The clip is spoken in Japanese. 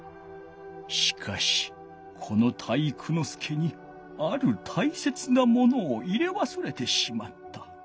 しかしこの体育ノ介にあるたいせつなものを入れわすれてしまった。